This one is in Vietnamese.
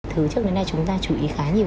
thứ trước đến nay chúng ta chú ý khá nhiều